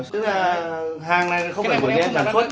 tức là hàng này không phải của nhà sản xuất